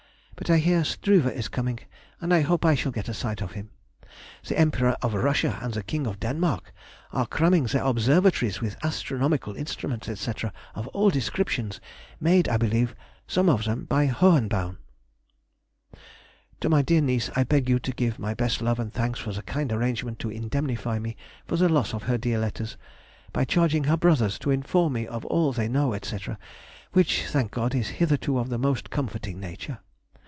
But I hear Struve is coming, and I hope I shall get a sight of him. The Emperor of Russia and the King of Denmark are cramming their observatories with astronomical instruments, &c., of all descriptions, made, I believe, some of them by Hohenbaum.... To my dear niece I beg you to give my best love and thanks for the kind arrangement to indemnify me for the loss of her dear letters, by charging her brothers to inform me of all they know, &c., which, thank God, is hitherto of the most comforting nature.